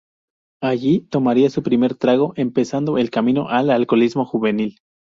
Allí tomaría su primer trago, empezando el camino al alcoholismo juvenil.